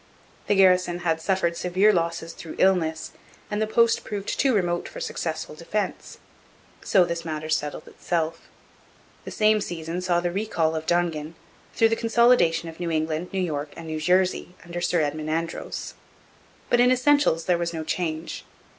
The garrison had suffered severe losses through illness and the post proved too remote for successful defence. So this matter settled itself. The same season saw the recall of Dongan through the consolidation of New England, New York, and New Jersey under Sir Edmund Andros. But in essentials there was no change.